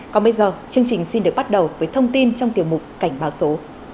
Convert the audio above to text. còn bây giờ chương trình xin được bắt đầu với thông tin trong tiểu mục cảnh báo số